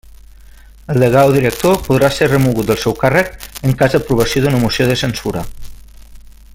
El degà o director podrà ser remogut del seu càrrec en cas d'aprovació d'una moció de censura.